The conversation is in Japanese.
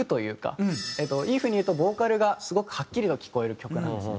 いい風に言うとボーカルがすごくはっきりと聴こえる曲なんですね。